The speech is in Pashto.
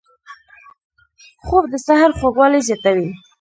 خوب د سحر خوږوالی زیاتوي